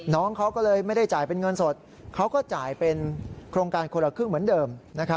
น้องเขาก็เลยไม่ได้จ่ายเป็นเงินสดเขาก็จ่ายเป็นโครงการคนละครึ่งเหมือนเดิม